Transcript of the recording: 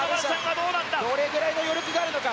どれぐらいの余力があるのか。